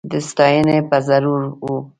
د ستایني به ضرور و